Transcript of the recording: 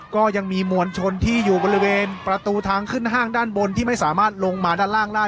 ก็ยังมีมวลชนที่อยู่บริเวณประตูทางขึ้นห้างด้านบนที่ไม่สามารถลงมาด้านล่างได้